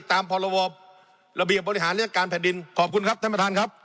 ตามพรบระเบียบบริหารราชการแผ่นดินขอบคุณครับท่านประธานครับ